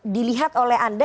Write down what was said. dilihat oleh anda